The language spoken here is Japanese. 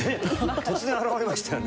突然現れましたよね。